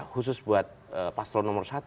khusus buat paslon nomor satu